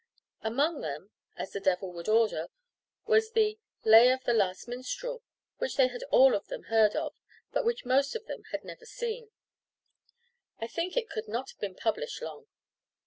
Among them, as the Devil would order, was the "Lay of the Last Minstrel," which they had all of them heard of, but which most of them had never seen. I think it could not have been published long.